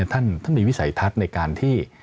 ท่านมีวิสัยทัศน์ในการที่